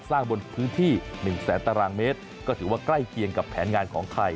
สร้างบนพื้นที่๑๐๐๐๐๐ตารางเมตรก็ถือว่าใกล้เกียงกับแผนงานของใคร